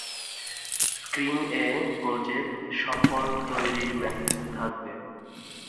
Screen এ project সফল তৈরির মেসেজ থাকবে।